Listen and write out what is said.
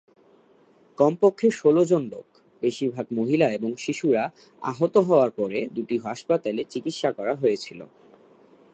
কমপক্ষে ষোলজন লোক, বেশিরভাগ মহিলা এবং শিশুরা আহত হওয়ার পরে দুটি হাসপাতালে চিকিৎসা করা হয়েছিল।